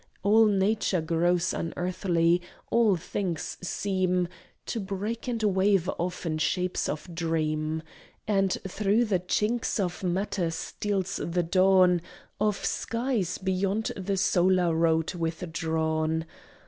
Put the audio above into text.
All nature grows unearthly; all things seem To break and waver off in shapes of dream, And through the chinks of matter steals the dawn Of skies beyond the solar road withdrawn.